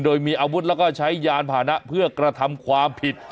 โดยมีอาวุธแล้วก็ใช้ยานผ่านะเพื่อกระทำความผิด